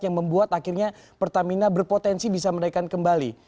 yang membuat akhirnya pertamina berpotensi bisa menaikkan kembali